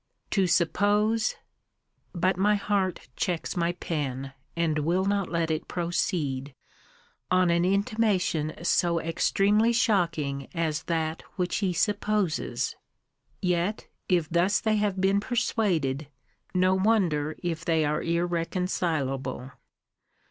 to suppose but my heart checks my pen, and will not let it proceed, on an intimation so extremely shocking as that which he supposes! Yet, if thus they have been persuaded, no wonder if they are irreconcilable.